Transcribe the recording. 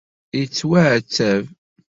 Yettwaɛetteb.